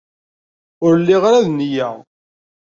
Ur lliɣ ara d nniya.